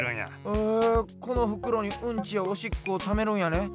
へえこのふくろにうんちやおしっこをためるんやね。